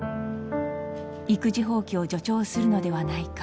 育児放棄を助長するのではないか。